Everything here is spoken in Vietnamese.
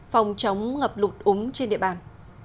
phòng chống ngập lụt úng trên địa bàn